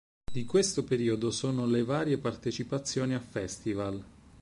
Di questo periodo sono le varie partecipazioni a festival.